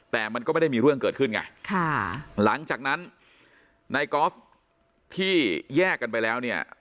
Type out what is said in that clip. แต่มันก็ไม่ได้มีเรื่องเกิดขึ้นไงค่ะหลังจากนั้นนายกอล์ฟที่แยกกันไปแล้วเนี่ย